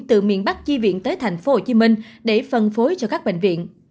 từ miền bắc chi viện tới thành phố hồ chí minh để phân phối cho các bệnh viện